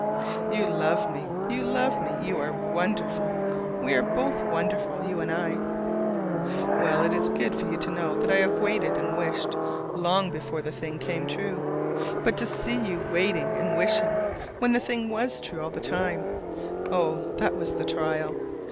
You love me, you love me; you are wonderful! we are both wonderful, you and I. Well, it is good for you to know I have waited and wished, long before the thing came true. But to see you waiting and wishing, when the thing was true all the time: oh! that was the trial!